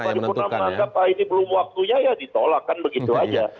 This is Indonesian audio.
kalau paripurna menganggap ini belum waktunya ya ditolakkan begitu aja